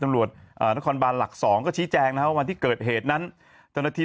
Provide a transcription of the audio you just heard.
ตำรวจนครบานหลัก๒ก็ชี้แจงนะครับว่าวันที่เกิดเหตุนั้นเจ้าหน้าที่